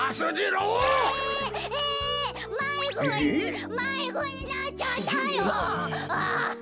まいごにまいごになっちゃったよ！